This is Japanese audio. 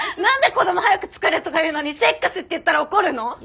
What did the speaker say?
何で子ども早くつくれとか言うのにセックスって言ったら怒るの？